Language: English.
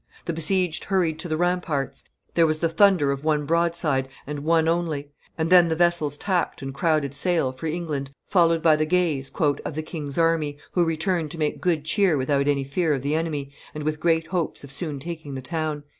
The besieged hurried on to the ramparts; there was the thunder of one broadside, and one only; and then the vessels tacked and crowded sail for England, followed by the gaze "of the king's army, who returned to make good cheer without any fear of the enemy, and with great hopes of soon taking the town."